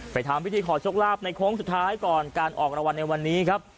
ทำพิธีขอโชคลาภในโค้งสุดท้ายก่อนการออกรางวัลในวันนี้ครับ